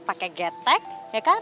pakai getek ya kan